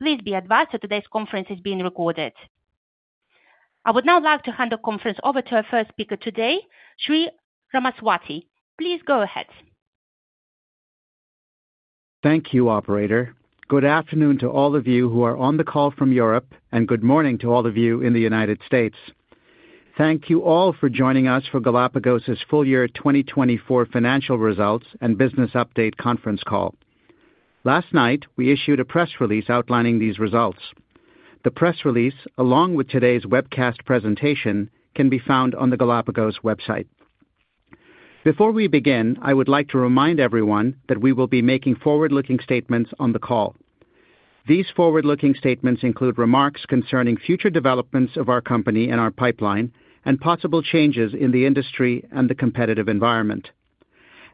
Please be advised that today's conference is being recorded. I would now like to hand the conference over to our first speaker today, Sri Ramaswami. Please go ahead. Thank you, Operator. Good afternoon to all of you who are on the call from Europe, and good morning to all of you in the United States. Thank you all for joining us for Galapagos' full year 2024 financial results and business update conference call. Last night, we issued a press release outlining these results. The press release, along with today's webcast presentation, can be found on the Galapagos website. Before we begin, I would like to remind everyone that we will be making forward-looking statements on the call. These forward-looking statements include remarks concerning future developments of our company and our pipeline, and possible changes in the industry and the competitive environment.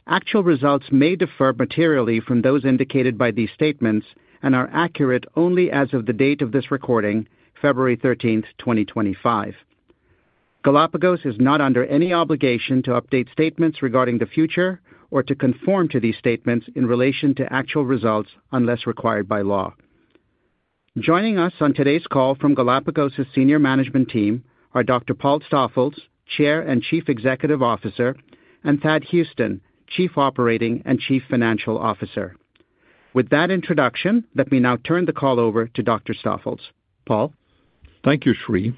Actual results may differ materially from those indicated by these statements and are accurate only as of the date of this recording, February 13th, 2025. Galapagos is not under any obligation to update statements regarding the future or to conform to these statements in relation to actual results unless required by law. Joining us on today's call from Galapagos' senior management team are Dr. Paul Stoffels, Chair and Chief Executive Officer, and Thad Huston, Chief Operating and Chief Financial Officer. With that introduction, let me now turn the call over to Dr. Stoffels. Paul. Thank you, Sri,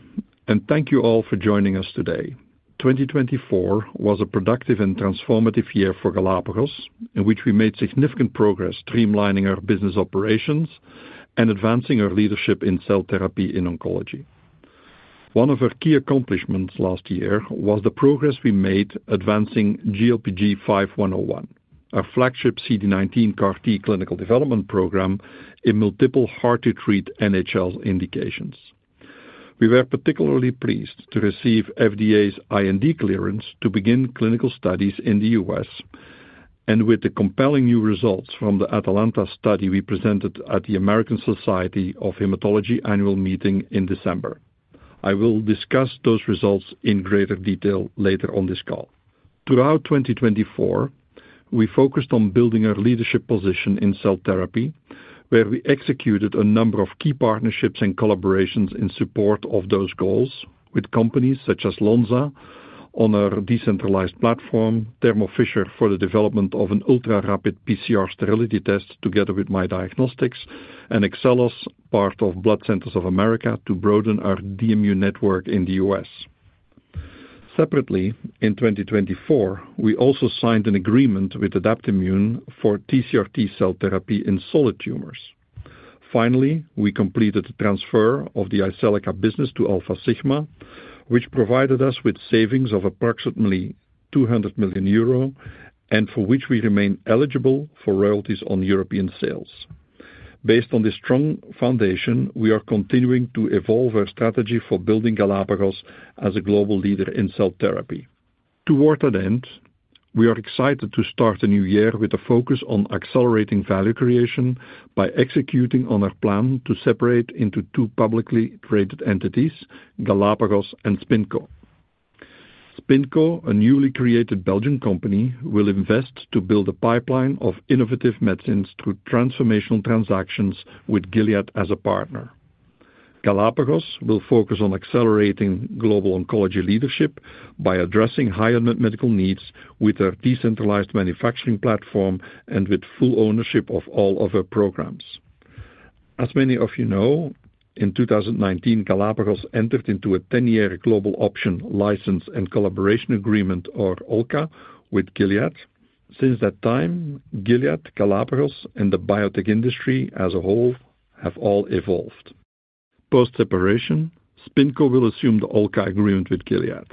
and thank you all for joining us today. 2024 was a productive and transformative year for Galapagos, in which we made significant progress streamlining our business operations and advancing our leadership in cell therapy in oncology. One of our key accomplishments last year was the progress we made advancing GLPG5101, our flagship CD19 CAR-T clinical development program in multiple hard-to-treat NHL indications. We were particularly pleased to receive FDA's IND clearance to begin clinical studies in the U.S., and with the compelling new results from the ATALANTA study we presented at the American Society of Hematology Annual Meeting in December. I will discuss those results in greater detail later on this call. Throughout 2024, we focused on building our leadership position in cell therapy, where we executed a number of key partnerships and collaborations in support of those goals with companies such as Lonza, on our decentralized platform, Thermo Fisher for the development of an ultra-rapid PCR sterility test together with miDiagnostics, and Excellos, part of Blood Centers of America, to broaden our DMU network in the US. Separately, in 2024, we also signed an agreement with Adaptimmune for TCR T-cell therapy in solid tumors. Finally, we completed the transfer of the Jyseleca business to Alfasigma, which provided us with savings of approximately 200 million euro and for which we remain eligible for royalties on European sales. Based on this strong foundation, we are continuing to evolve our strategy for building Galapagos as a global leader in cell therapy. Toward that end, we are excited to start a new year with a focus on accelerating value creation by executing on our plan to separate into two publicly traded entities, Galapagos and SpinCo. SpinCo, a newly created Belgian company, will invest to build a pipeline of innovative medicines through transformational transactions with Gilead as a partner. Galapagos will focus on accelerating global oncology leadership by addressing higher medical needs with our decentralized manufacturing platform and with full ownership of all of our programs. As many of you know, in 2019, Galapagos entered into a 10-year global option license and collaboration agreement, or OLCA, with Gilead. Since that time, Gilead, Galapagos, and the biotech industry as a whole have all evolved. Post-separation, SpinCo will assume the OLCA agreement with Gilead.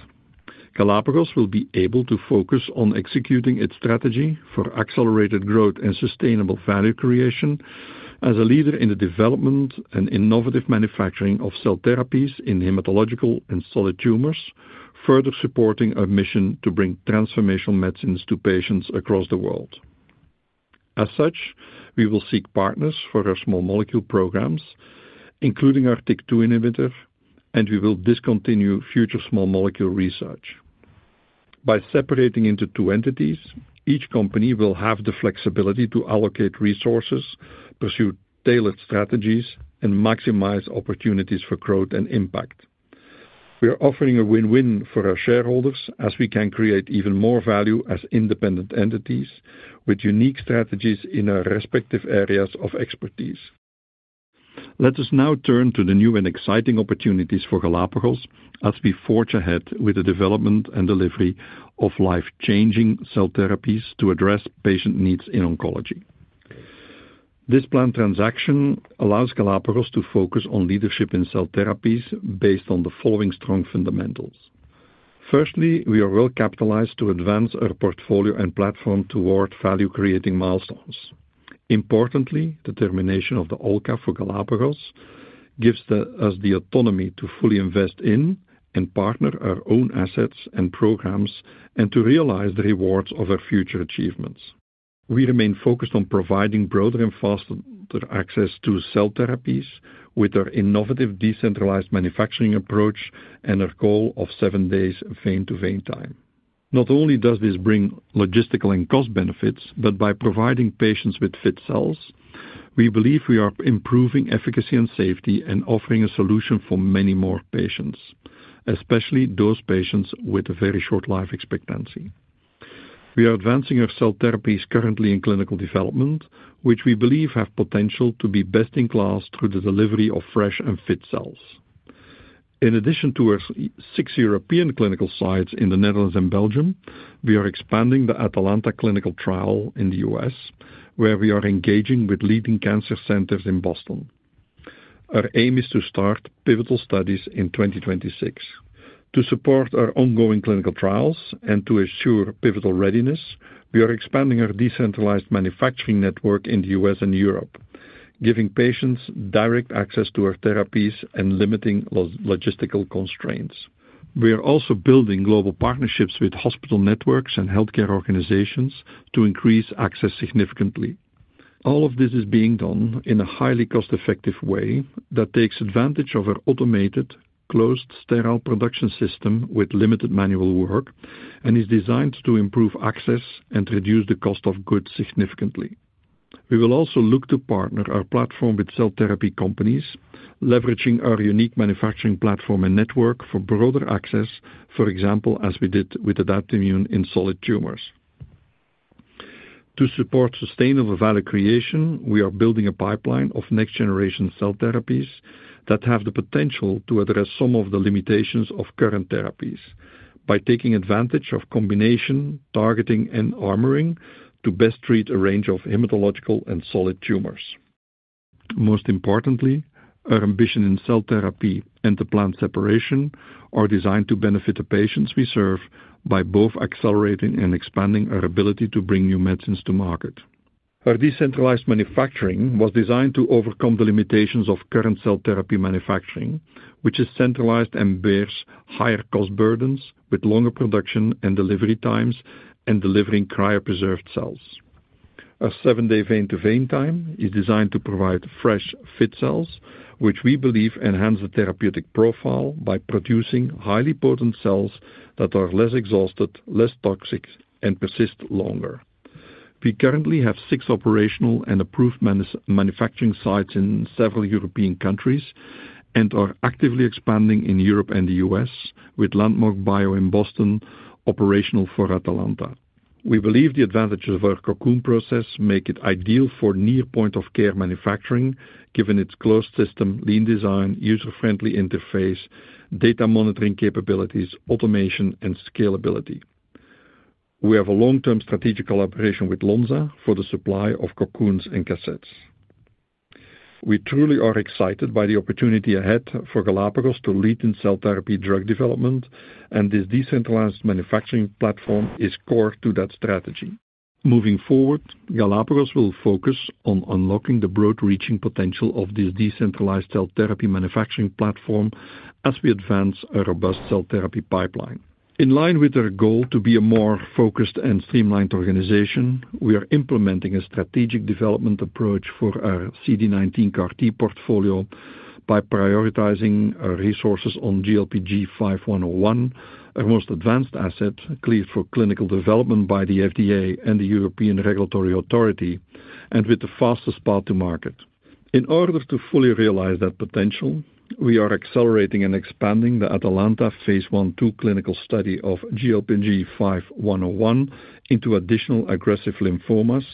Galapagos will be able to focus on executing its strategy for accelerated growth and sustainable value creation as a leader in the development and innovative manufacturing of cell therapies in hematological and solid tumors, further supporting our mission to bring transformational medicines to patients across the world. As such, we will seek partners for our small molecule programs, including our TYK2 inhibitor, and we will discontinue future small molecule research. By separating into two entities, each company will have the flexibility to allocate resources, pursue tailored strategies, and maximize opportunities for growth and impact. We are offering a win-win for our shareholders as we can create even more value as independent entities with unique strategies in our respective areas of expertise. Let us now turn to the new and exciting opportunities for Galapagos as we forge ahead with the development and delivery of life-changing cell therapies to address patient needs in oncology. This planned transaction allows Galapagos to focus on leadership in cell therapies based on the following strong fundamentals. Firstly, we are well capitalized to advance our portfolio and platform toward value-creating milestones. Importantly, the termination of the OLCA for Galapagos gives us the autonomy to fully invest in and partner our own assets and programs, and to realize the rewards of our future achievements. We remain focused on providing broader and faster access to cell therapies with our innovative decentralized manufacturing approach and our goal of seven days vein-to-vein time. Not only does this bring logistical and cost benefits, but by providing patients with fit cells, we believe we are improving efficacy and safety and offering a solution for many more patients, especially those patients with a very short life expectancy. We are advancing our cell therapies currently in clinical development, which we believe have potential to be best in class through the delivery of fresh and fit cells. In addition to our six European clinical sites in the Netherlands and Belgium, we are expanding the ATALANTA clinical trial in the U.S., where we are engaging with leading cancer centers in Boston. Our aim is to start pivotal studies in 2026. To support our ongoing clinical trials and to assure pivotal readiness, we are expanding our decentralized manufacturing network in the U.S. and Europe, giving patients direct access to our therapies and limiting logistical constraints. We are also building global partnerships with hospital networks and healthcare organizations to increase access significantly. All of this is being done in a highly cost-effective way that takes advantage of our automated, closed sterile production system with limited manual work and is designed to improve access and reduce the cost of goods significantly. We will also look to partner our platform with cell therapy companies, leveraging our unique manufacturing platform and network for broader access, for example, as we did with Adaptimmune in solid tumors. To support sustainable value creation, we are building a pipeline of next-generation cell therapies that have the potential to address some of the limitations of current therapies by taking advantage of combination, targeting, and armoring to best treat a range of hematological and solid tumors. Most importantly, our ambition in cell therapy and the planned separation are designed to benefit the patients we serve by both accelerating and expanding our ability to bring new medicines to market. Our decentralized manufacturing was designed to overcome the limitations of current cell therapy manufacturing, which is centralized and bears higher cost burdens with longer production and delivery times and delivering cryopreserved cells. Our seven-day vein-to-vein time is designed to provide fresh, fit cells, which we believe enhance the therapeutic profile by producing highly potent cells that are less exhausted, less toxic, and persist longer. We currently have six operational and approved manufacturing sites in several European countries and are actively expanding in Europe and the U.S., with Landmark Bio in Boston operational for ATALANTA. We believe the advantages of our Cocoon process make it ideal for near-point-of-care manufacturing, given its closed system, lean design, user-friendly interface, data monitoring capabilities, automation, and scalability. We have a long-term strategic collaboration with Lonza for the supply of Cocoons and cassettes. We truly are excited by the opportunity ahead for Galapagos to lead in cell therapy drug development, and this decentralized manufacturing platform is core to that strategy. Moving forward, Galapagos will focus on unlocking the broad-reaching potential of this decentralized cell therapy manufacturing platform as we advance our robust cell therapy pipeline. In line with our goal to be a more focused and streamlined organization, we are implementing a strategic development approach for our CD19 CAR-T portfolio by prioritizing our resources on GLPG5101, our most advanced asset cleared for clinical development by the FDA and the European Regulatory Authority, and with the fastest path to market. In order to fully realize that potential, we are accelerating and expanding the ATALANTA Phase 1/2 clinical study of GLPG5101 into additional aggressive lymphomas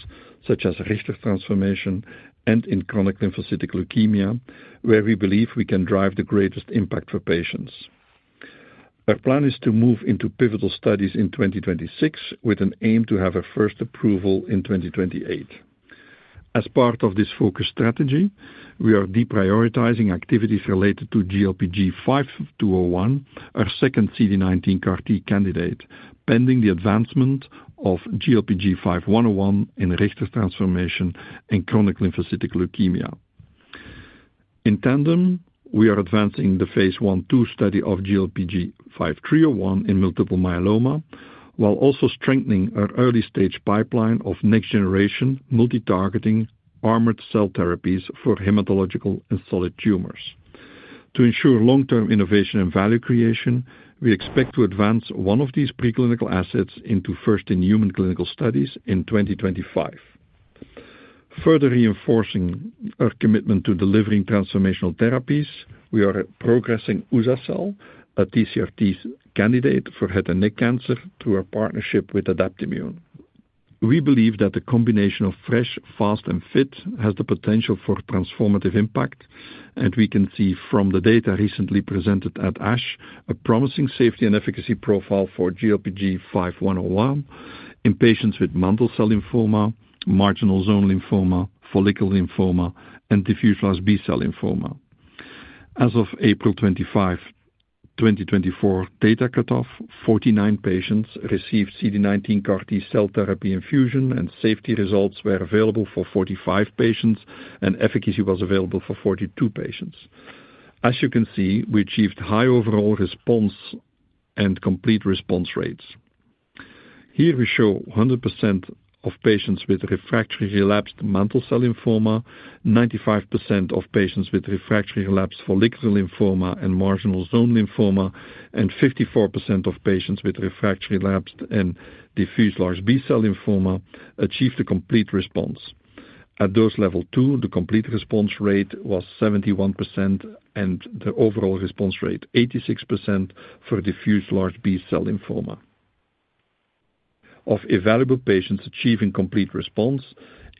such as Richter's transformation and in chronic lymphocytic leukemia, where we believe we can drive the greatest impact for patients. Our plan is to move into pivotal studies in 2026 with an aim to have our first approval in 2028. As part of this focus strategy, we are deprioritizing activities related to GLPG5201, our second CD19 CAR-T candidate, pending the advancement of GLPG5101 in Richter's transformation and chronic lymphocytic leukemia. In tandem, we are advancing the Phase 1/2 study of GLPG5301 in multiple myeloma, while also strengthening our early-stage pipeline of next-generation multi-targeting armored cell therapies for hematological and solid tumors. To ensure long-term innovation and value creation, we expect to advance one of these preclinical assets into first-in-human clinical studies in 2025. Further reinforcing our commitment to delivering transformational therapies, we are progressing uza-cel, a TCR T-cell candidate for head and neck cancer, through our partnership with Adaptimmune. We believe that the combination of fresh, fast, and fit has the potential for transformative impact, and we can see from the data recently presented at ASH a promising safety and efficacy profile for GLPG5101 in patients with mantle cell lymphoma, marginal zone lymphoma, follicular lymphoma, and diffuse large B-cell lymphoma. As of April 25, 2024, data cut-off, 49 patients received CD19 CAR-T-cell therapy infusion, and safety results were available for 45 patients, and efficacy was available for 42 patients. As you can see, we achieved high overall response and complete response rates. Here we show 100% of patients with refractory relapsed mantle cell lymphoma, 95% of patients with refractory relapsed follicular lymphoma and marginal zone lymphoma, and 54% of patients with refractory relapsed and diffuse large B-cell lymphoma achieved a complete response. At dose level two, the complete response rate was 71%, and the overall response rate 86% for diffuse large B-cell lymphoma. Of evaluable patients achieving complete response,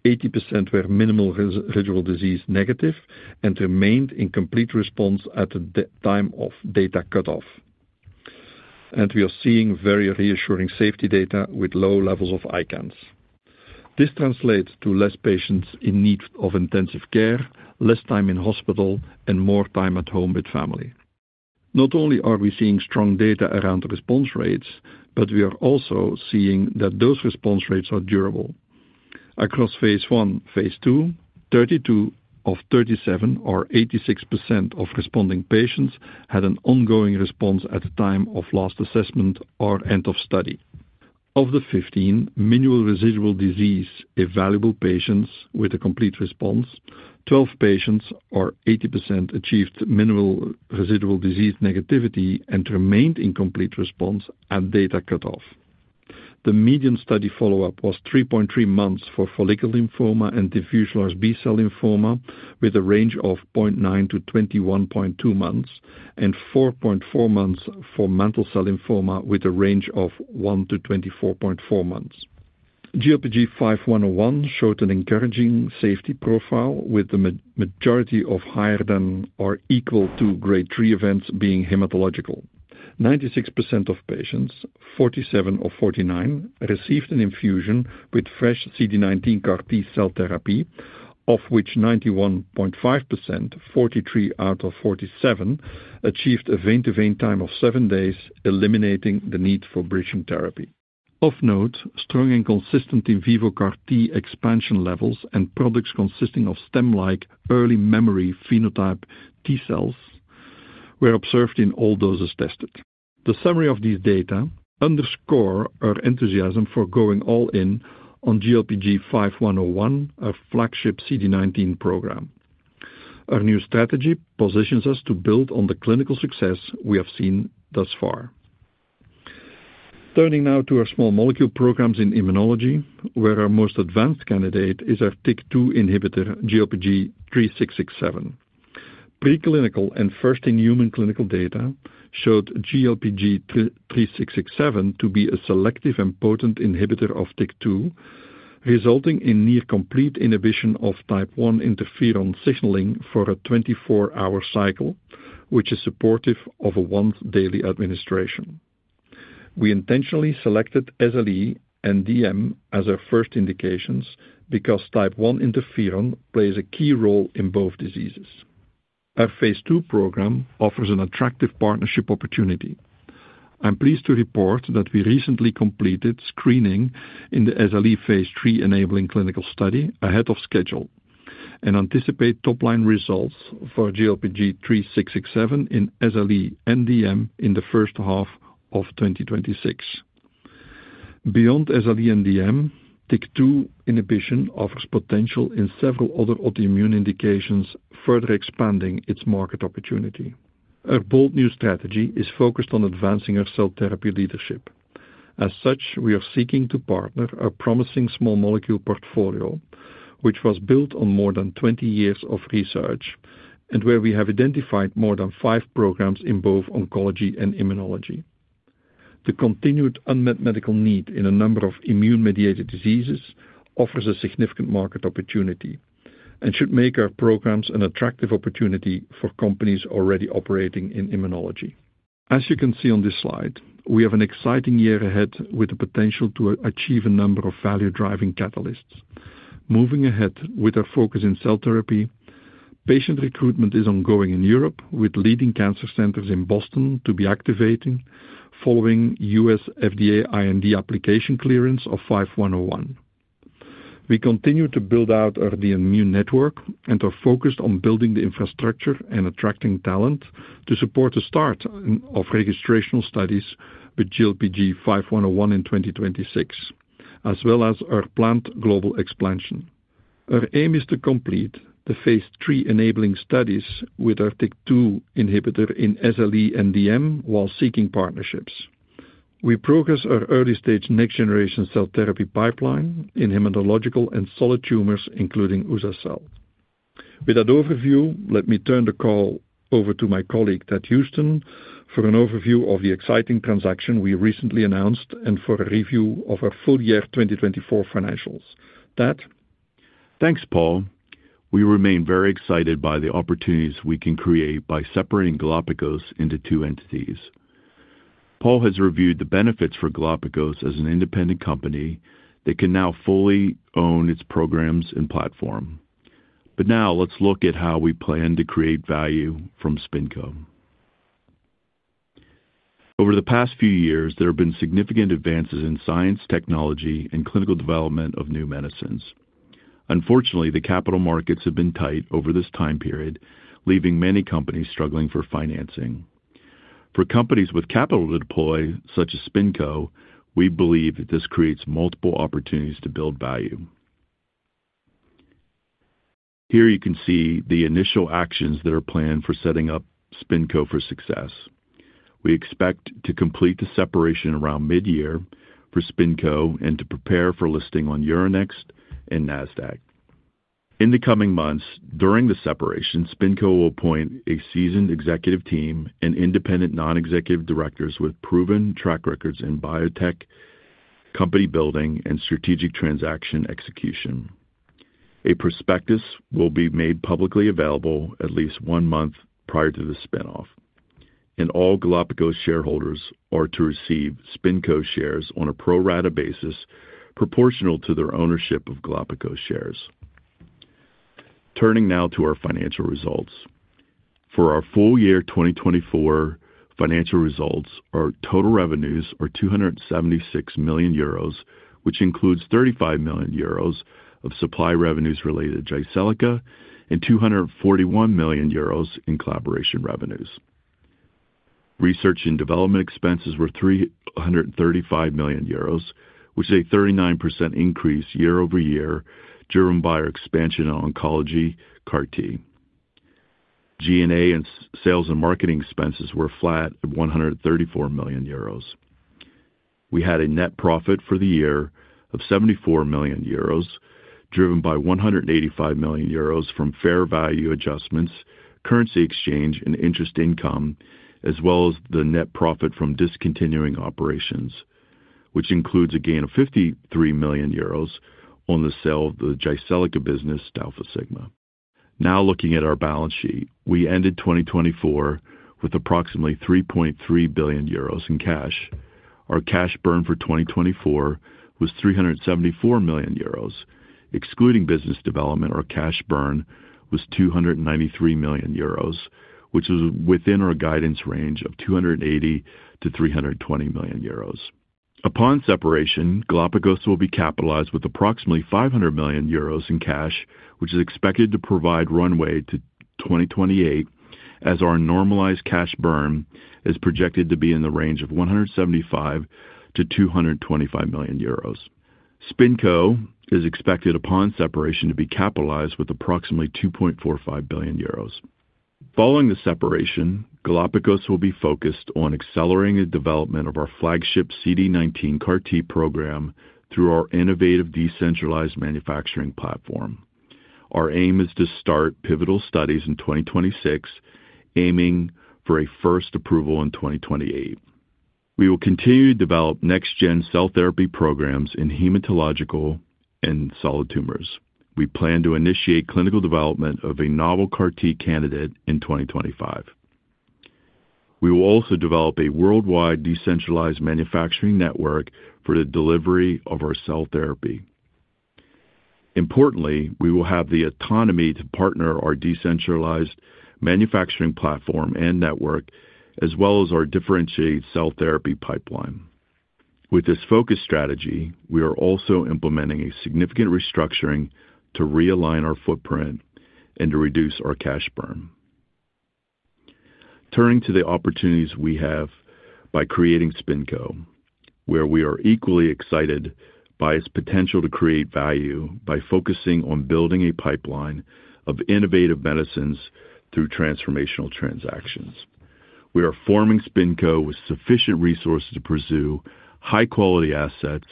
80% were minimal residual disease negative and remained in complete response at the time of data cut-off, and we are seeing very reassuring safety data with low levels of ICANS. This translates to less patients in need of intensive care, less time in hospital, and more time at home with family. Not only are we seeing strong data around response rates, but we are also seeing that those response rates are durable. Across phase I and phase II, 32 of 37 or 86% of responding patients had an ongoing response at the time of last assessment or end of study. Of the 15 minimal residual disease evaluable patients with a complete response, 12 patients or 80% achieved minimal residual disease negativity and remained in complete response at data cut-off. The median study follow-up was 3.3 months for follicular lymphoma and diffuse large B-cell lymphoma, with a range of 0.9-21.2 months, and 4.4 months for mantle cell lymphoma, with a range of 1-24.4 months. GLPG5101 showed an encouraging safety profile, with the majority of higher than or equal to Grade 3 events being hematological. 96% of patients, 47 of 49, received an infusion with CD19 CAR T-cell therapy, of which 91.5%, 43 out of 47, achieved a vein-to-vein time of seven days, eliminating the need for bridging therapy. Of note, strong and consistent in vivo CAR-T expansion levels and products consisting of stem-like early memory phenotype T-cells were observed in all doses tested. The summary of these data underscores our enthusiasm for going all in on GLPG5101, our flagship CD19 program. Our new strategy positions us to build on the clinical success we have seen thus far. Turning now to our small molecule programs in immunology, where our most advanced candidate is our TYK2 inhibitor, GLPG3667. Preclinical and first-in-human clinical data showed GLPG3667 to be a selective and potent inhibitor of TYK2, resulting in near-complete inhibition of type 1 interferon signaling for a 24-hour cycle, which is supportive of a once-daily administration. We intentionally selected SLE and DM as our first indications because type 1 interferon plays a key role in both diseases. Our phase II program offers an attractive partnership opportunity. I'm pleased to report that we recently completed screening in the SLE phase III enabling clinical study ahead of schedule and anticipate top-line results for GLPG3667 in SLE and DM in the first half of 2026. Beyond SLE and DM, TYK2 inhibition offers potential in several other autoimmune indications, further expanding its market opportunity. Our bold new strategy is focused on advancing our cell therapy leadership. As such, we are seeking to partner a promising small molecule portfolio, which was built on more than 20 years of research and where we have identified more than five programs in both oncology and immunology. The continued unmet medical need in a number of immune-mediated diseases offers a significant market opportunity and should make our programs an attractive opportunity for companies already operating in immunology. As you can see on this slide, we have an exciting year ahead with the potential to achieve a number of value-driving catalysts. Moving ahead with our focus in cell therapy, patient recruitment is ongoing in Europe, with leading cancer centers in Boston to be activating, following U.S. FDA IND application clearance of 5101. We continue to build out our DMU network and are focused on building the infrastructure and attracting talent to support the start of registrational studies with GLPG5101 in 2026, as well as our planned global expansion. Our aim is to complete the phase III enabling studies with our TYK2 inhibitor in SLE and DM while seeking partnerships. We progress our early-stage next-generation cell therapy pipeline in hematological and solid tumors, including uza-cel. With that overview, let me turn the call over to my colleague Thad Huston for an overview of the exciting transaction we recently announced and for a review of our full year 2024 financials. Thad. Thanks, Paul. We remain very excited by the opportunities we can create by separating Galapagos into two entities. Paul has reviewed the benefits for Galapagos as an independent company that can now fully own its programs and platform. But now let's look at how we plan to create value from SpinCo. Over the past few years, there have been significant advances in science, technology, and clinical development of new medicines. Unfortunately, the capital markets have been tight over this time period, leaving many companies struggling for financing. For companies with capital to deploy, such as SpinCo, we believe that this creates multiple opportunities to build value. Here you can see the initial actions that are planned for setting up SpinCo for success. We expect to complete the separation around mid-year for SpinCo and to prepare for listing on Euronext and NASDAQ. In the coming months, during the separation, SpinCo will appoint a seasoned executive team and independent non-executive directors with proven track records in biotech, company building, and strategic transaction execution. A prospectus will be made publicly available at least one month prior to the spinoff. All Galapagos shareholders are to receive SpinCo shares on a pro rata basis proportional to their ownership of Galapagos shares. Turning now to our financial results. For our full year 2024 financial results, our total revenues are 276 million euros, which includes 35 million euros of supply revenues related to Jyseleca and 241 million euros in collaboration revenues. Research and development expenses were 335 million euros, which is a 39% increase year-over-year during our expansion in oncology CAR-T. G&A and sales and marketing expenses were flat at 134 million euros. We had a net profit for the year of 74 million euros, driven by 185 million euros from fair value adjustments, currency exchange, and interest income, as well as the net profit from discontinued operations, which includes a gain of 53 million euros on the sale of the Jyseleca business, Alfasigma. Now looking at our balance sheet, we ended 2024 with approximately 3.3 billion euros in cash. Our cash burn for 2024 was 374 million euros. Excluding business development, our cash burn was 293 million euros, which was within our guidance range of 280 million-320 million euros. Upon separation, Galapagos will be capitalized with approximately 500 million euros in cash, which is expected to provide runway to 2028, as our normalized cash burn is projected to be in the range of 175 million-225 million euros. SpinCo is expected upon separation to be capitalized with approximately 2.45 billion euros. Following the separation, Galapagos will be focused on accelerating the development of our flagship CD19 CAR-T program through our innovative decentralized manufacturing platform. Our aim is to start pivotal studies in 2026, aiming for a first approval in 2028. We will continue to develop next-gen cell therapy programs in hematological and solid tumors. We plan to initiate clinical development of a novel CAR-T candidate in 2025. We will also develop a worldwide decentralized manufacturing network for the delivery of our cell therapy. Importantly, we will have the autonomy to partner our decentralized manufacturing platform and network, as well as our differentiated cell therapy pipeline. With this focus strategy, we are also implementing a significant restructuring to realign our footprint and to reduce our cash burn. Turning to the opportunities we have by creating SpinCo, where we are equally excited by its potential to create value by focusing on building a pipeline of innovative medicines through transformational transactions. We are forming SpinCo with sufficient resources to pursue high-quality assets,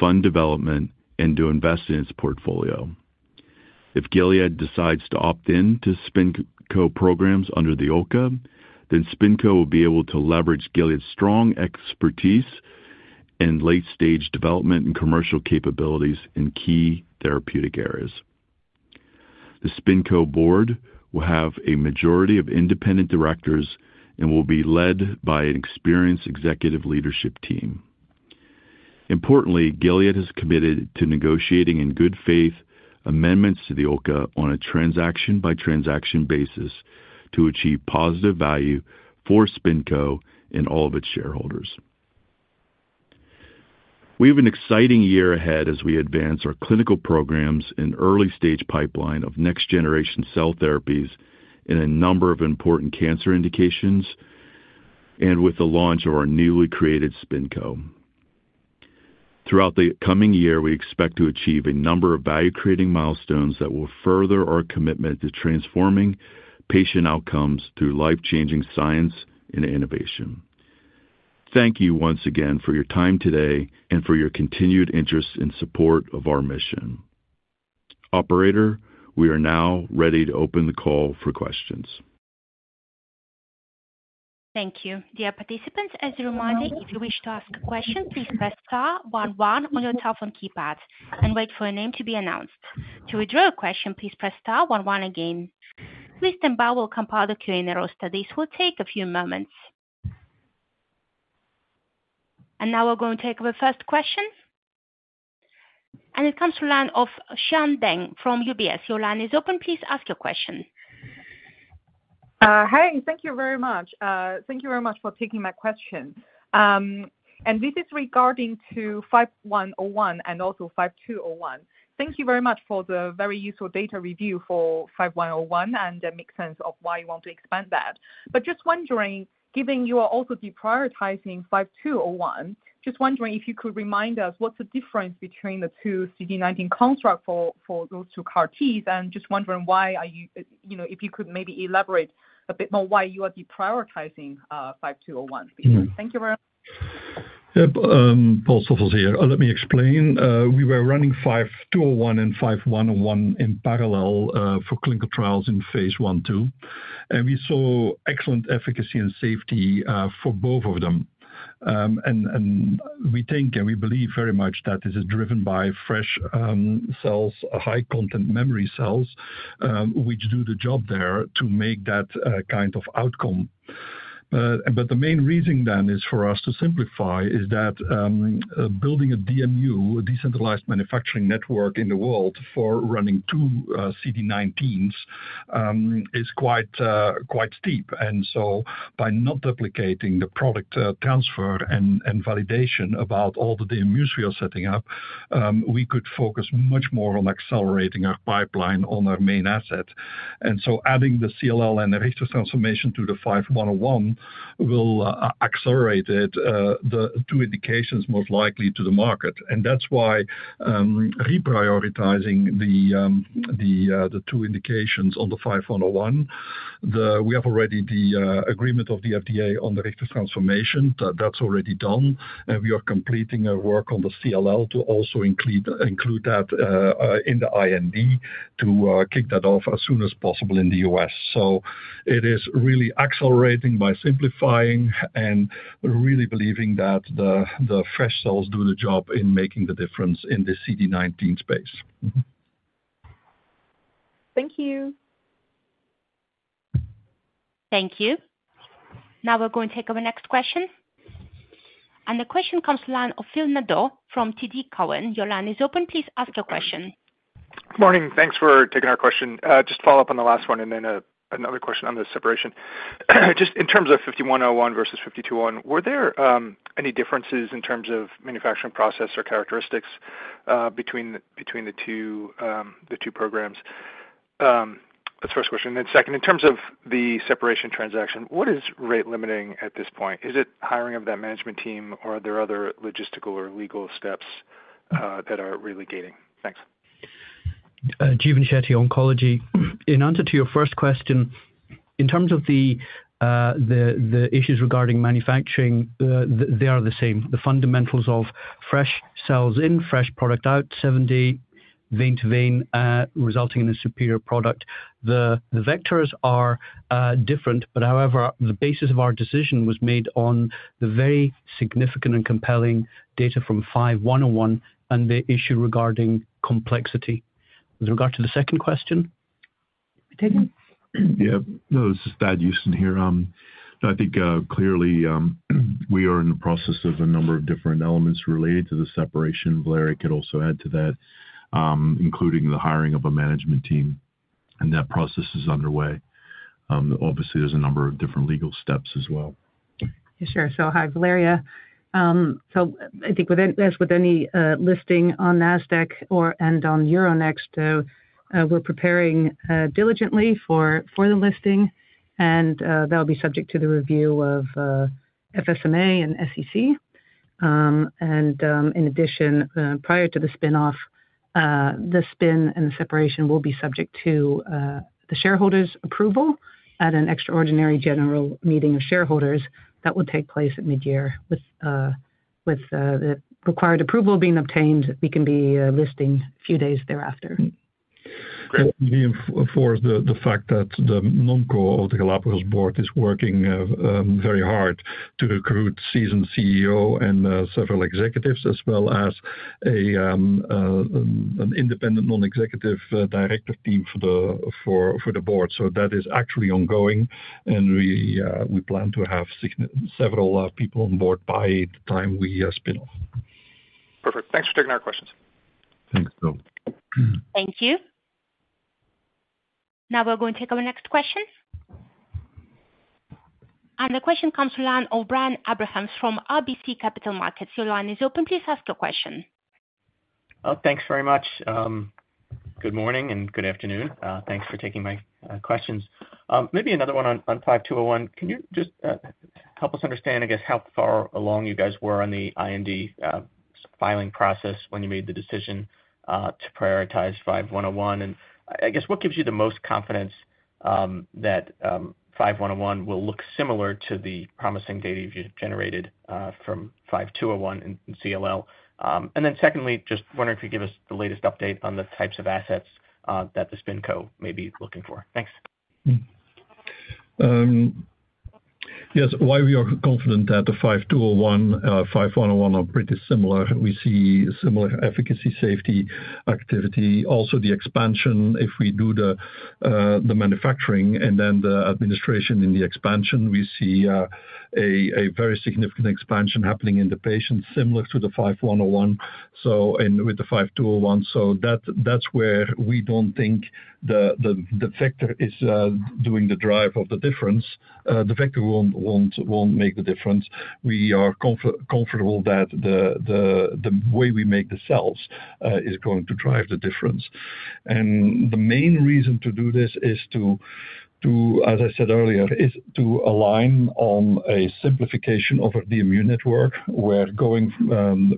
fund development, and to invest in its portfolio. If Gilead decides to opt in to SpinCo programs under the OLCA, then SpinCo will be able to leverage Gilead's strong expertise and late-stage development and commercial capabilities in key therapeutic areas. The SpinCo board will have a majority of independent directors and will be led by an experienced executive leadership team. Importantly, Gilead has committed to negotiating in good faith amendments to the OLCA on a transaction-by-transaction basis to achieve positive value for SpinCo and all of its shareholders. We have an exciting year ahead as we advance our clinical programs in early-stage pipeline of next-generation cell therapies in a number of important cancer indications and with the launch of our newly created SpinCo. Throughout the coming year, we expect to achieve a number of value-creating milestones that will further our commitment to transforming patient outcomes through life-changing science and innovation. Thank you once again for your time today and for your continued interest and support of our mission. Operator, we are now ready to open the call for questions. Thank you. Dear participants, as a reminder, if you wish to ask a question, please press star one one on your telephone keypad and wait for your name to be announced. To withdraw a question, please press star one one again. Please stand by. We'll compile the Q&A roster. This will take a few moments. And now we're going to take the first question. And it comes from the line of Xian Deng from UBS. Your line is open. Please ask your question. Hi. Thank you very much. Thank you very much for taking my question. And this is regarding to 5101 and also 5201. Thank you very much for the very useful data review for 5101 and that makes sense of why you want to expand that. But just wondering, given you are also deprioritizing 5201, just wondering if you could remind us what's the difference between the two CD19 constructs for those two CAR-Ts, and just wondering why, if you could maybe elaborate a bit more why you are deprioritizing 5201. Thank you very much. Paul Stoffels here. Let me explain. We were running 5201 and 5101 in parallel for clinical trials in Phase 1/2. We saw excellent efficacy and safety for both of them. We think and we believe very much that this is driven by fresh cells, high-content memory cells, which do the job there to make that kind of outcome. The main reason then is for us to simplify, that building a DMU, a decentralized manufacturing network in the world for running two CD19s is quite steep. By not duplicating the product transfer and validation across all the DMUs we are setting up, we could focus much more on accelerating our pipeline on our main asset. Adding the CLL and Richter's transformation to the 5101 will accelerate the two indications most likely to the market. That's why reprioritizing the two indications on the 5101. We have already the agreement of the FDA on Richter's transformation. That's already done. We are completing our work on the CLL to also include that in the IND to kick that off as soon as possible in the U.S. So it is really accelerating by simplifying and really believing that the fresh cells do the job in making the difference in the CD19 space. Thank you. Thank you. Now we're going to take our next question. And the question comes from the line of Phil Nadeau from TD Cowen. Your line is open. Please ask your question. Good morning. Thanks for taking our question. Just to follow up on the last one and then another question on the separation. Just in terms of 5101 versus 5201, were there any differences in terms of manufacturing process or characteristics between the two programs? That's the first question. And then second, in terms of the separation transaction, what is rate-limiting at this point? Is it hiring of that management team, or are there other logistical or legal steps that are rate-limiting? Thanks. Jeevan Shetty, Oncology. In answer to your first question, in terms of the issues regarding manufacturing, they are the same. The fundamentals of fresh cells in, fresh product out, seven day vein-to-vein, resulting in a superior product. The vectors are different, but however, the basis of our decision was made on the very significant and compelling data from 5101 and the issue regarding complexity. With regard to the second question. Yeah. This is Thad Huston here. I think clearly we are in the process of a number of different elements related to the separation. Valeria could also add to that, including the hiring of a management team, and that process is underway. Obviously, there's a number of different legal steps as well. Sure, so hi, Valeria. So I think as with any listing on NASDAQ and on Euronext, we're preparing diligently for the listing, and that will be subject to the review of FSMA and SEC. And in addition, prior to the spinoff, the spin and the separation will be subject to the shareholders' approval at an extraordinary general meeting of shareholders that will take place at mid-year. With the required approval being obtained, we can be listing a few days thereafter. Great. As for the fact that the Nominations Committee of the Galapagos Board is working very hard to recruit seasoned CEO and several executives, as well as an independent non-executive director team for the board. So that is actually ongoing, and we plan to have several people on board by the time we spin off. Perfect. Thanks for taking our questions. Thanks, Phil. Thank you. Now we're going to take our next question. The question comes from Brian Abrahams from RBC Capital Markets. Your line is open. Please ask your question. Thanks very much. Good morning and good afternoon. Thanks for taking my questions. Maybe another one on 5201. Can you just help us understand, I guess, how far along you guys were on the IND filing process when you made the decision to prioritize 5101? And I guess, what gives you the most confidence that 5101 will look similar to the promising data you've generated from 5201 and CLL? And then secondly, just wondering if you could give us the latest update on the types of assets that the SpinCo may be looking for. Thanks. Yes. Why we are confident that the 5201, 5101 are pretty similar. We see similar efficacy, safety, activity. Also, the expansion, if we do the manufacturing and then the administration in the expansion, we see a very significant expansion happening in the patients, similar to the 5101 and with the 5201. So that's where we don't think the vector is doing the drive of the difference. The vector won't make the difference. We are comfortable that th`e way we make the cells is going to drive the difference. And the main reason to do this is to, as I said earlier, align on a simplification of our DMU network, where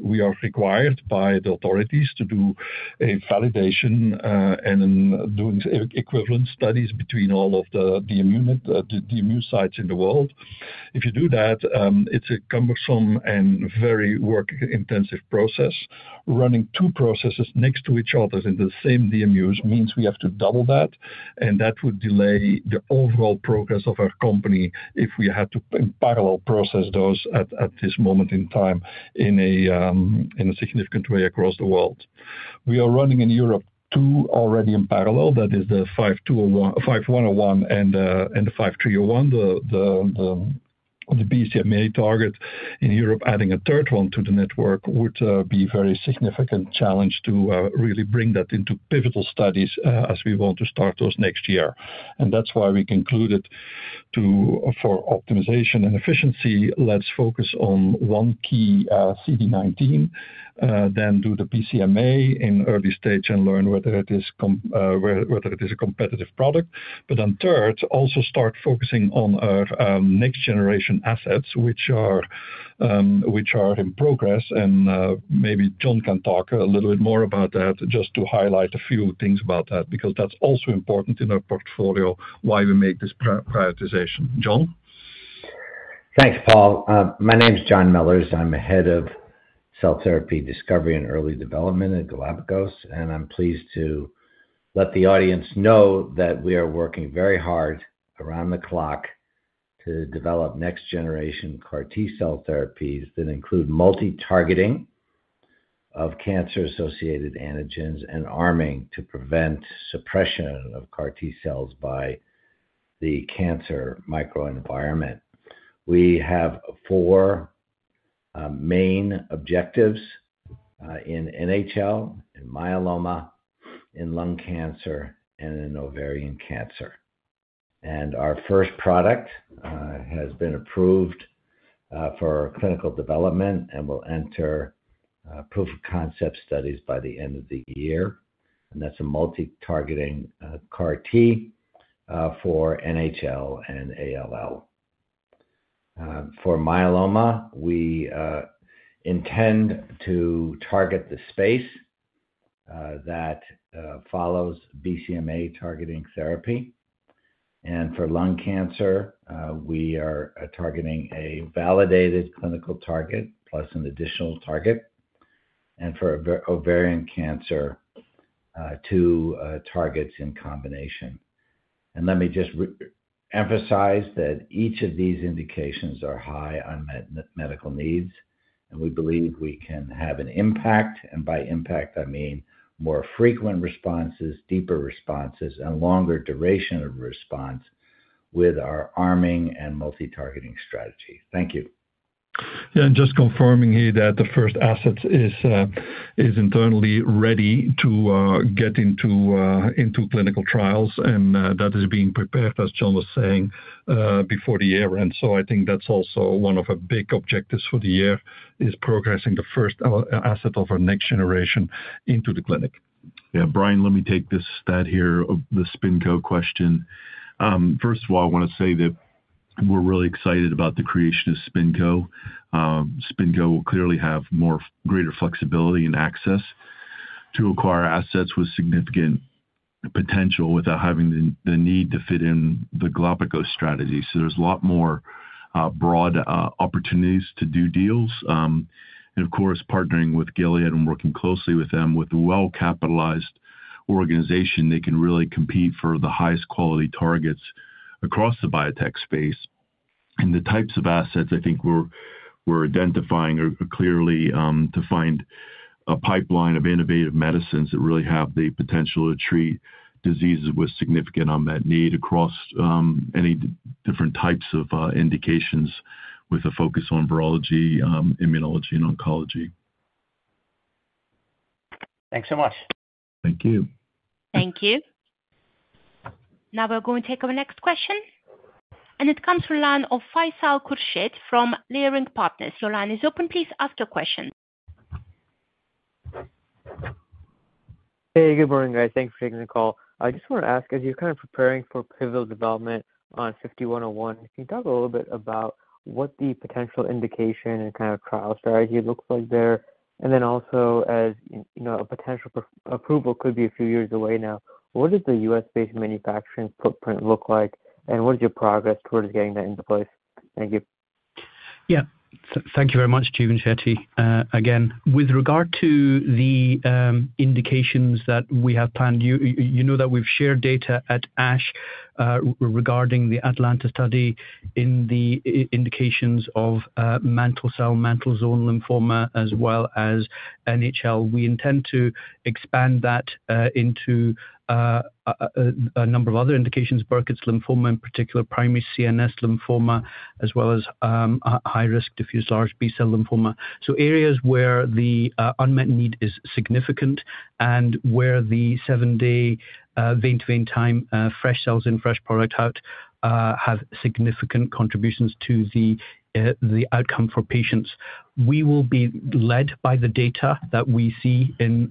we are required by the authorities to do a validation and doing equivalent studies between all of the DMU sites in the world. If you do that, it's a cumbersome and very work-intensive process. Running two processes next to each other in the same DMUs means we have to double that, and that would delay the overall progress of our company if we had to parallel process those at this moment in time in a significant way across the world. We are running in Europe two already in parallel. That is the 5101 and the 5301. The BCMA target in Europe, adding a third one to the network, would be a very significant challenge to really bring that into pivotal studies as we want to start those next year, and that's why we concluded for optimization and efficiency, let's focus on one key CD19, then do the BCMA in early stage and learn whether it is a competitive product, but then third, also start focusing on our next-generation assets, which are in progress. And maybe John can talk a little bit more about that, just to highlight a few things about that, because that's also important in our portfolio, why we make this prioritization. John? Thanks, Paul. My name's John Mellors. I'm head of Cell Therapy Discovery and Early Development at Galapagos. And I'm pleased to let the audience know that we are working very hard around the clock to develop next-generation CAR T-cell therapies that include multi-targeting of cancer-associated antigens and arming to prevent suppression of CAR T-cells by the cancer microenvironment. We have four main objectives in NHL, in myeloma, in lung cancer, and in ovarian cancer. And our first product has been approved for clinical development and will enter proof of concept studies by the end of the year. And that's a multi-targeting CAR-T for NHL and ALL. For myeloma, we intend to target the space that follows BCMA targeting therapy. And for lung cancer, we are targeting a validated clinical target plus an additional target. And for ovarian cancer, two targets in combination. And let me just emphasize that each of these indications are high on medical needs, and we believe we can have an impact. And by impact, I mean more frequent responses, deeper responses, and longer duration of response with our arming and multi-targeting strategy. Thank you. And just confirming here that the first asset is internally ready to get into clinical trials, and that is being prepared, as John was saying, before the year. And so I think that's also one of our big objectives for the year, is progressing the first asset of our next generation into the clinic. Yeah. Brian, let me take this stat here of the SpinCo question. First of all, I want to say that we're really excited about the creation of SpinCo. SpinCo will clearly have greater flexibility and access to acquire assets with significant potential without having the need to fit in the Galapagos strategy. So there's a lot more broad opportunities to do deals. And of course, partnering with Gilead and working closely with them, with a well-capitalized organization, they can really compete for the highest quality targets across the biotech space. And the types of assets I think we're identifying are clearly to find a pipeline of innovative medicines that really have the potential to treat diseases with significant unmet need across any different types of indications, with a focus on virology, immunology, and oncology. Thanks so much. Thank you. Thank you. Now we're going to take our next question. And it comes from line of Faisal Khurshid from Leerink Partners. Your line is open. Please ask your question. Hey. Good morning, guys. Thanks for taking the call. I just want to ask, as you're kind of preparing for pivotal development on 5101, can you talk a little bit about what the potential indication and kind of trial strategy looks like there? And then also, as a potential approval could be a few years away now, what does the U.S.-based manufacturing footprint look like, and what is your progress towards getting that into place? Thank you. Yeah. Thank you very much, Jeevan Shetty. Again, with regard to the indications that we have planned, you know that we've shared data at ASH regarding the ATALANTA study in the indications of mantle cell lymphoma, marginal zone lymphoma, as well as NHL. We intend to expand that into a number of other indications, Burkitt's lymphoma in particular, primary CNS lymphoma, as well as high-risk diffuse large B-cell lymphoma. So areas where the unmet need is significant and where the seven-day vein-to-vein time, fresh cells in, fresh product out, have significant contributions to the outcome for patients. We will be led by the data that we see in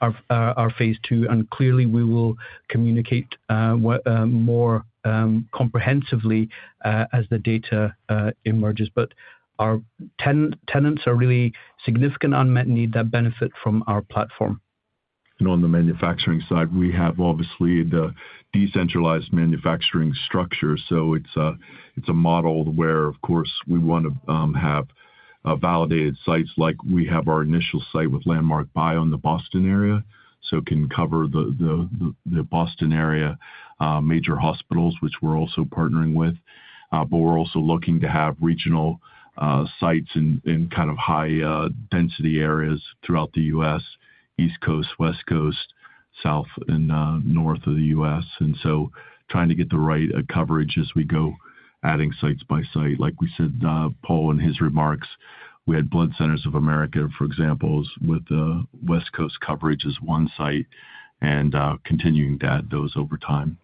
our phase II, and clearly, we will communicate more comprehensively as the data emerges. But our tenets are really significant unmet need that benefit from our platform. And on the manufacturing side, we have obviously the decentralized manufacturing structure. So it's a model where, of course, we want to have validated sites like we have our initial site with Landmark Bio in the Boston area, so it can cover the Boston area, major hospitals, which we're also partnering with. But we're also looking to have regional sites in kind of high-density areas throughout the U.S., East Coast, West Coast, South, and North of the U.S. And so trying to get the right coverage as we go, adding sites by site. Like we said, Paul, in his remarks, we had Blood Centers of America, for example, with West Coast coverage as one site, and continuing those over time.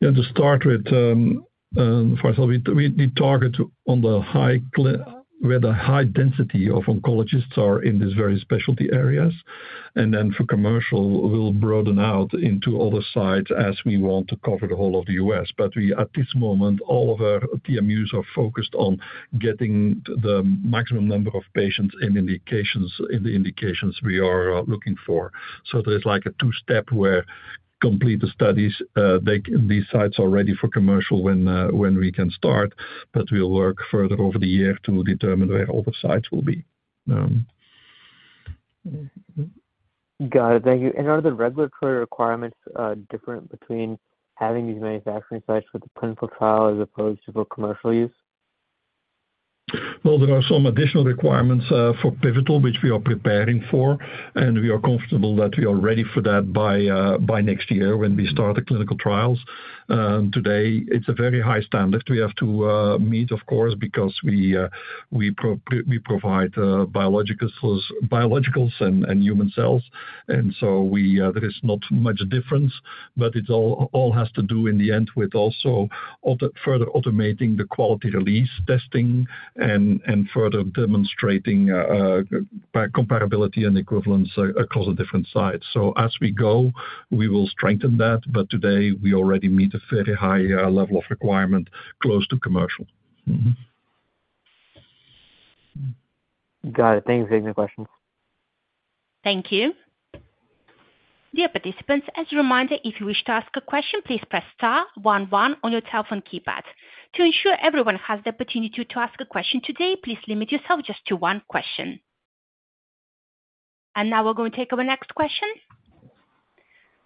Yeah. To start with, first of all, we target on the high where the high density of oncologists are in these very specialty areas. And then for commercial, we'll broaden out into other sites as we want to cover the whole of the U.S. But at this moment, all of our DMUs are focused on getting the maximum number of patients in the indications we are looking for. So there's like a two-step where complete the studies. These sites are ready for commercial when we can start, but we'll work further over the year to determine where all the sites will be. Got it. Thank you. And are the regulatory requirements different between having these manufacturing sites for the clinical trial as opposed to for commercial use? Well, there are some additional requirements for pivotal, which we are preparing for, and we are comfortable that we are ready for that by next year when we start the clinical trials. Today, it's a very high standard we have to meet, of course, because we provide biologicals and human cells. And so there is not much difference, but it all has to do in the end with also further automating the quality release testing and further demonstrating compatibility and equivalence across the different sites. So as we go, we will strengthen that, but today, we already meet a very high level of requirement close to commercial. Got it. Thanks for taking the questions. Thank you. Dear participants, as a reminder, if you wish to ask a question, please press star one one on your telephone keypad. To ensure everyone has the opportunity to ask a question today, please limit yourself just to one question. And now we're going to take our next question.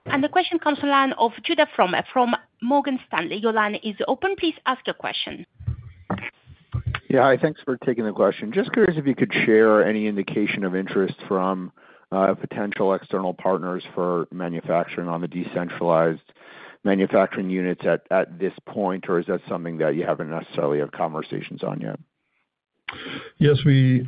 And the question comes from Judah Frommer from Morgan Stanley. Your line is open. Please ask your question. Yeah. Hi. Thanks for taking the question. Just curious if you could share any indication of interest from potential external partners for manufacturing on the decentralized manufacturing units at this point, or is that something that you haven't necessarily had conversations on yet? Yes. We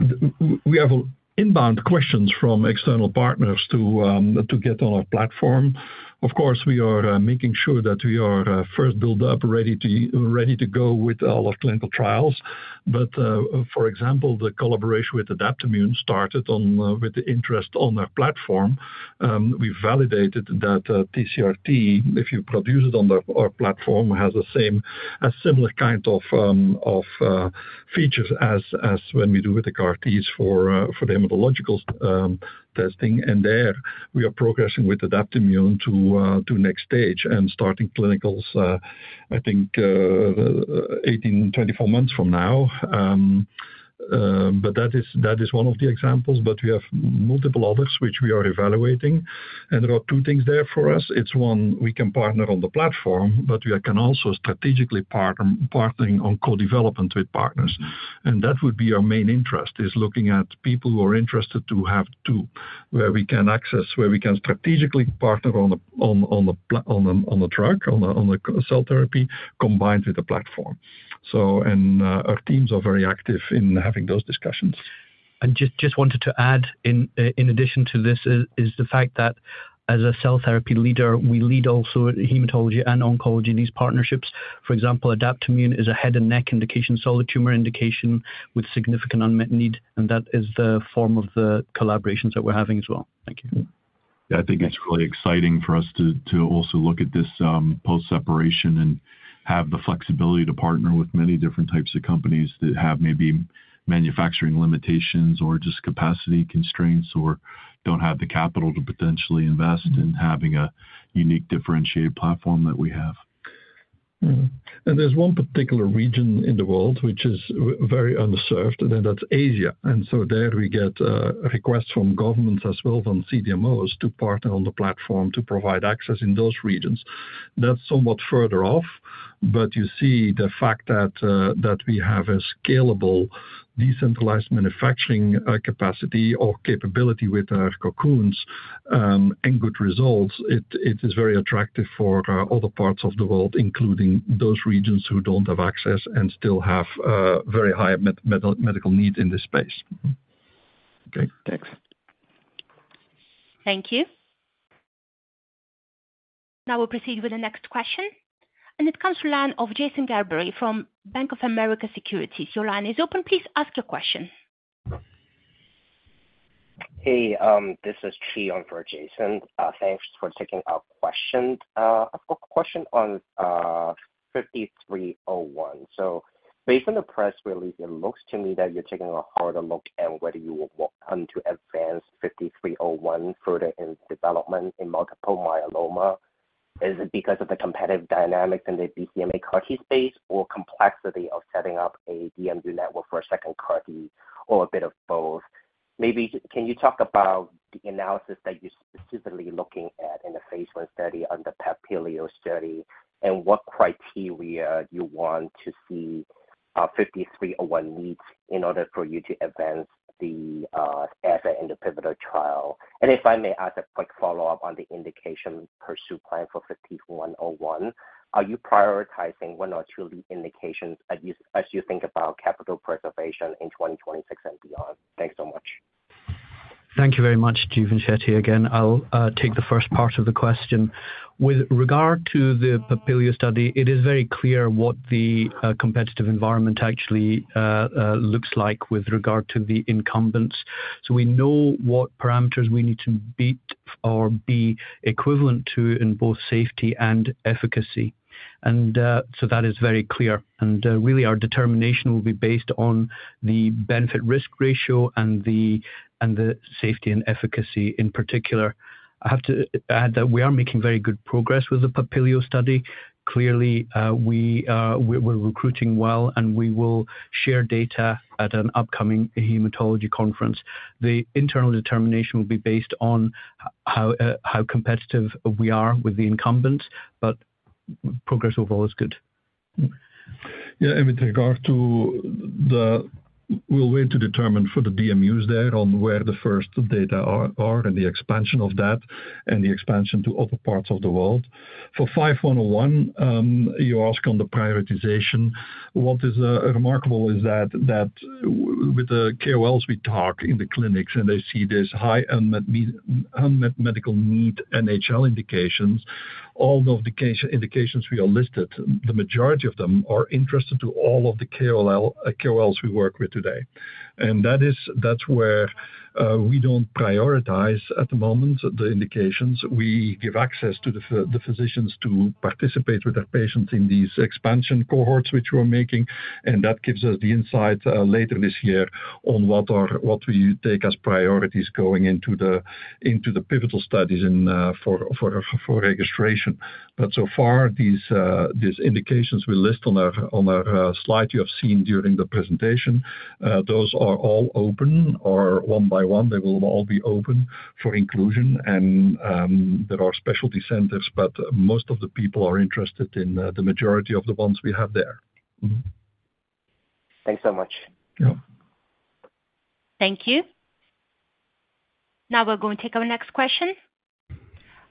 have inbound questions from external partners to get on our platform. Of course, we are making sure that we are first build-up ready to go with all our clinical trials. For example, the collaboration with Adaptimmune started with the interest on our platform. We validated that TCR-T, if you produce it on our platform, has a similar kind of features as when we do with the CAR-Ts for the hematological testing. There, we are progressing with Adaptimmune to next stage and starting clinicals, I think, 18-24 months from now. That is one of the examples. We have multiple others which we are evaluating. There are two things there for us. It's one, we can partner on the platform, but we can also strategically partner on co-development with partners. And that would be our main interest, is looking at people who are interested to have two, where we can access, where we can strategically partner on the drug, on the cell therapy, combined with the platform. And our teams are very active in having those discussions. I just wanted to add, in addition to this, is the fact that as a cell therapy leader, we lead also hematology and oncology in these partnerships. For example, Adaptimmune is a head-and-neck indication, solid tumor indication with significant unmet need. And that is the form of the collaborations that we're having as well. Thank you. Yeah. I think it's really exciting for us to also look at this post-separation and have the flexibility to partner with many different types of companies that have maybe manufacturing limitations or just capacity constraints or don't have the capital to potentially invest in having a unique differentiated platform that we have. And there's one particular region in the world which is very underserved, and that's Asia. And so there we get requests from governments as well from CDMOs to partner on the platform to provide access in those regions. That's somewhat further off, but you see the fact that we have a scalable decentralized manufacturing capacity or capability with our Cocoons and good results, it is very attractive for other parts of the world, including those regions who don't have access and still have very high medical need in this space. Okay. Thanks. Thank you. Now we'll proceed with the next question. And it comes from the line of Jason Gerberry from Bank of America Securities. Your line is open. Please ask your question. Hey. This is Chi Fong for Jason. Thanks for taking our question. Question on 5301. So based on the press release, it looks to me that you're taking a harder look at whether you will walk away from advancing 5301 further in development in multiple myeloma. Is it because of the competitive dynamics in the BCMA CAR -T space or complexity of setting up a DMU network for a second CAR-T or a bit of both? Maybe can you talk about the analysis that you're specifically looking at in the phase I study on the PAPILIO study and what criteria you want to see 5301 meet in order for you to advance the asset in the pivotal trial? If I may ask a quick follow-up on the indication pursuit plan for 5101, are you prioritizing one or two lead indications as you think about capital preservation in 2026 and beyond? Thanks so much. Thank you very much, Jeevan Shetty. Again, I'll take the first part of the question. With regard to the ATALANTA study, it is very clear what the competitive environment actually looks like with regard to the incumbents. So we know what parameters we need to beat or be equivalent to in both safety and efficacy. And so that is very clear. And really, our determination will be based on the benefit-risk ratio and the safety and efficacy in particular. I have to add that we are making very good progress with the PAPILIO study. Clearly, we're recruiting well, and we will share data at an upcoming hematology conference. The internal determination will be based on how competitive we are with the incumbents, but progress overall is good. Yeah. And with regard to that, we'll wait to determine for the DMUs there on where the first data are and the expansion of that and the expansion to other parts of the world. For 5101, you ask on the prioritization. What is remarkable is that with the KOLs we talk to in the clinics and they see this high unmet medical need in NHL indications, all of the indications we are listed, the majority of them are interested, to all of the KOLs we work with today. And that's why we don't prioritize at the moment the indications. We give access to the physicians to participate with our patients in these expansion cohorts which we're making, and that gives us the insight later this year on what we take as priorities going into the pivotal studies for registration. But so far, these indications we list on our slide you have seen during the presentation, those are all open or one by one. They will all be open for inclusion, and there are specialty centers, but most of the people are interested in the majority of the ones we have there. Thanks so much. Yeah. Thank you. Now we're going to take our next question,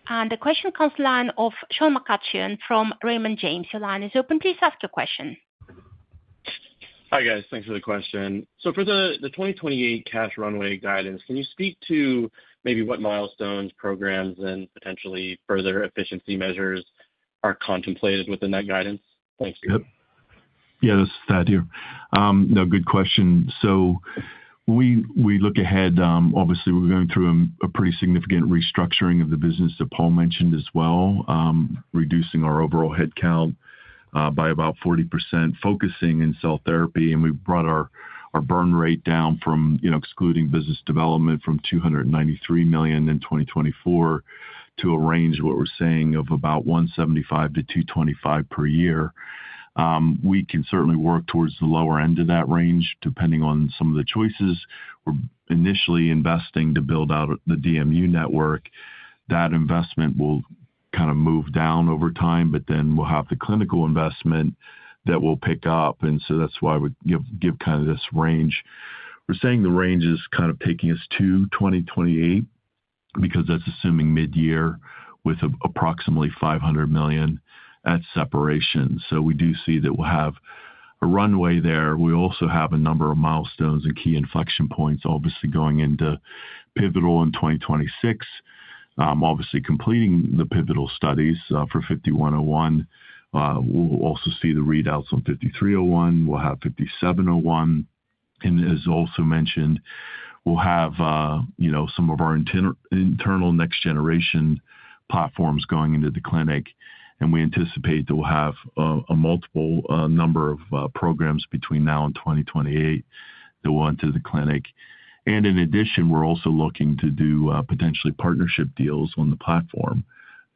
and the question comes to the line of Sean McCutcheon from Raymond James. Your line is open. Please ask your question. Hi, guys. Thanks for the question. For the 2028 cash runway guidance, can you speak to maybe what milestones, programs, and potentially further efficiency measures are contemplated within that guidance? Thanks. Yeah. This is Thad. No, good question, so we look ahead. Obviously, we're going through a pretty significant restructuring of the business that Paul mentioned as well, reducing our overall headcount by about 40%, focusing in cell therapy. And we've brought our burn rate down from, excluding business development, 293 million in 2024 to a range, what we're saying, of about 175 million-225 million per year. We can certainly work towards the lower end of that range, depending on some of the choices. We're initially investing to build out the DMU network. That investment will kind of move down over time, but then we'll have the clinical investment that will pick up. And so that's why we give kind of this range. We're saying the range is kind of taking us to 2028 because that's assuming mid-year with approximately 500 million at separation. So we do see that we'll have a runway there. We also have a number of milestones and key inflection points, obviously, going into pivotal in 2026, obviously completing the pivotal studies for 5101. We'll also see the readouts on 5301. We'll have 5701. And as also mentioned, we'll have some of our internal next-generation platforms going into the clinic. And we anticipate that we'll have a multiple number of programs between now and 2028 that will enter the clinic. And in addition, we're also looking to do potentially partnership deals on the platform,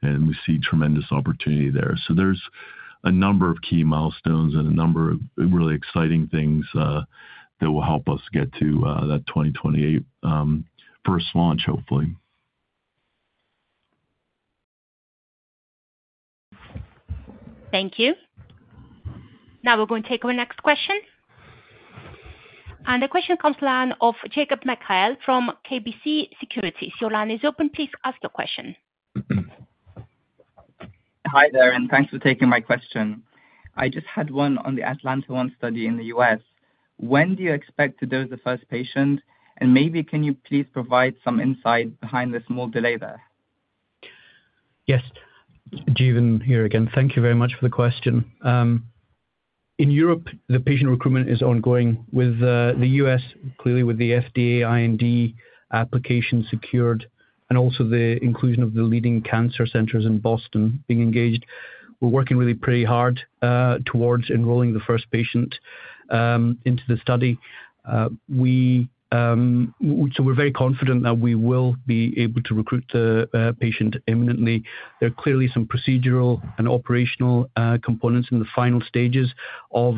and we see tremendous opportunity there. So there's a number of key milestones and a number of really exciting things that will help us get to that 2028 first launch, hopefully. Thank you. Now we're going to take our next question. And the question comes to the line of Jacob Mekhael from KBC Securities. Your line is open. Please ask your question. Hi there, and thanks for taking my question. I just had one on the ATALANTA-1 study in the US. When do you expect to do the first patient? And maybe can you please provide some insight behind this small delay there? Yes. Jeevan here again. Thank you very much for the question. In Europe, the patient recruitment is ongoing with the US, clearly with the FDA IND application secured and also the inclusion of the leading cancer centers in Boston being engaged. We're working really pretty hard towards enrolling the first patient into the study. So we're very confident that we will be able to recruit the patient imminently. There are clearly some procedural and operational components in the final stages of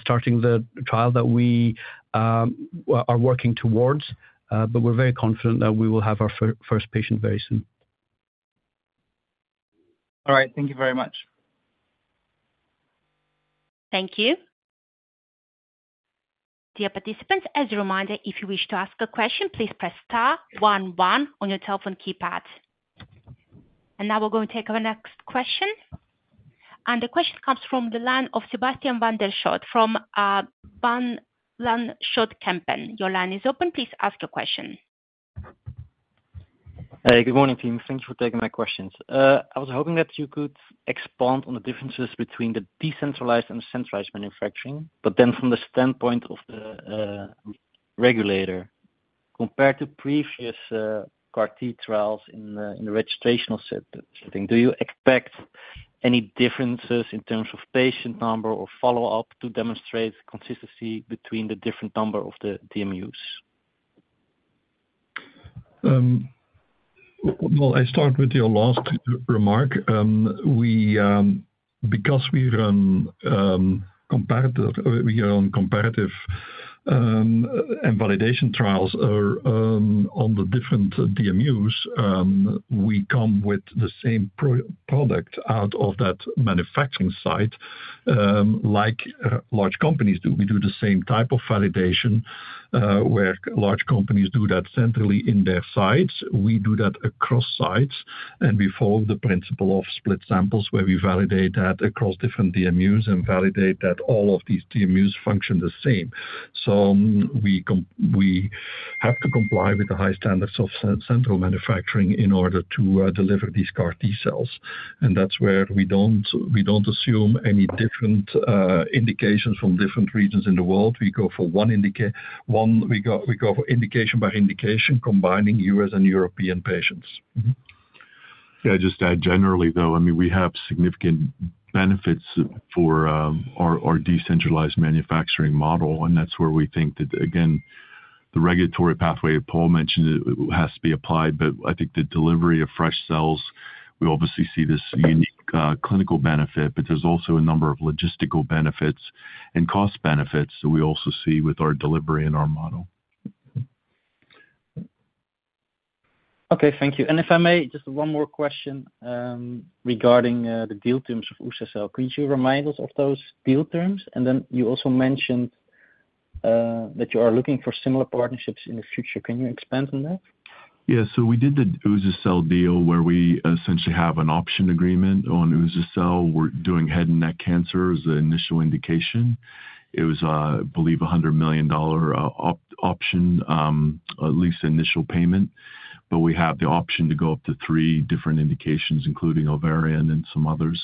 starting the trial that we are working towards, but we're very confident that we will have our first patient very soon. All right. Thank you very much. Thank you. Dear participants, as a reminder, if you wish to ask a question, please press star one one on your telephone keypad. And now we're going to take our next question. And the question comes from the line of Sebastiaan van der Schoot from Van Lanschot Kempen. Your line is open. Please ask your question. Hey. Good morning, team. Thank you for taking my questions. I was hoping that you could expand on the differences between the decentralized and centralized manufacturing, but then from the standpoint of the regulator, compared to previous CAR-T trials in the registrational setting, do you expect any differences in terms of patient number or follow-up to demonstrate consistency between the different number of the DMUs? I start with your last remark. Because we run comparative and validation trials on the different DMUs, we come with the same product out of that manufacturing site like large companies do. We do the same type of validation where large companies do that centrally in their sites. We do that across sites, and we follow the principle of split samples where we validate that across different DMUs and validate that all of these DMUs function the same. We have to comply with the high standards of central manufacturing in order to deliver these CAR T-cells. That's where we don't assume any different indications from different regions in the world. We go for one indication by indication combining U.S. and European patients. Yeah. Just that generally, though, I mean, we have significant benefits for our decentralized manufacturing model, and that's where we think that, again, the regulatory pathway Paul mentioned has to be applied. I think the delivery of fresh cells, we obviously see this unique clinical benefit, but there's also a number of logistical benefits and cost benefits that we also see with our delivery and our model. Okay. Thank you. If I may, just one more question regarding the deal terms of uza-cel. Could you remind us of those deal terms? And then you also mentioned that you are looking for similar partnerships in the future. Can you expand on that? Yeah. So we did the uza-cel deal where we essentially have an option agreement on uza-cel. We're doing head and neck cancer as the initial indication. It was, I believe, a $100 million option, at least initial payment, but we have the option to go up to three different indications, including ovarian and some others,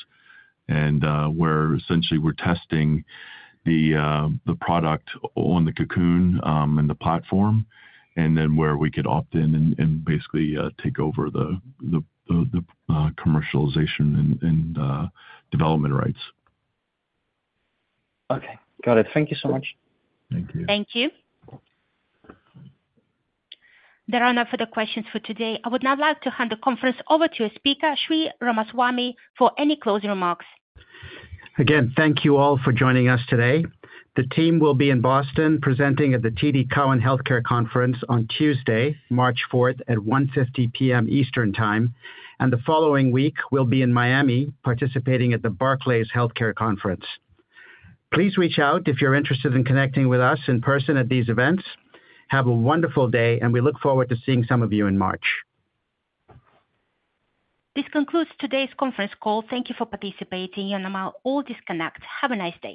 and where essentially we're testing the product on the Cocoon and the platform, and then where we could opt in and basically take over the commercialization and development rights. Okay. Got it. Thank you so much. Thank you. Thank you. There are no further questions for today. I would now like to hand the conference over to our speaker, Sri Ramaswami, for any closing remarks. Again, thank you all for joining us today. The team will be in Boston presenting at the TD Cowen Healthcare Conference on Tuesday, March 4th at 1:50 P.M. Eastern Time, and the following week, we'll be in Miami participating at the Barclays Healthcare Conference. Please reach out if you're interested in connecting with us in person at these events. Have a wonderful day, and we look forward to seeing some of you in March. This concludes today's conference call. Thank you for participating, and I'll now disconnect. Have a nice day.